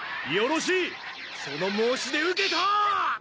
よろしいその申し出受けた！